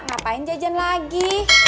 ngapain jajan lagi